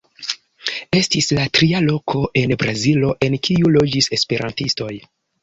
Estis la tria loko en Brazilo en kiu loĝis esperantistoj.